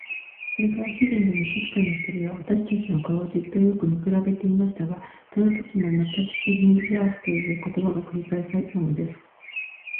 それから主人と召使の二人は、私たちの顔をじっとよく見くらべていましたが、そのときもまたしきりに「ヤーフ」という言葉が繰り返されたのです。